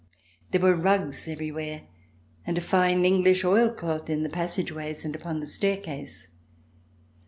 There were rugs everywhere and fine English oilcloth in the passage ways and upon the staircase.